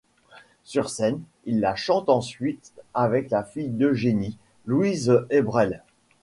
Sur scène, il la chante ensuite avec la fille d'Eugénie, Louise Ebrel.